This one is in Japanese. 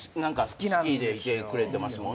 好きでいてくれてますもんね。